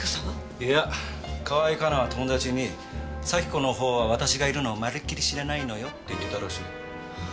いや河合加奈は友達に咲子のほうは私がいるのをまるっきり知らないのよって言ってたらしいよ。